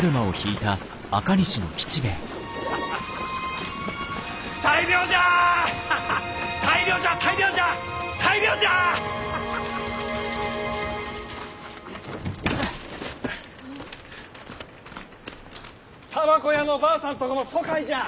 たばこ屋のばあさんとこも疎開じゃあ。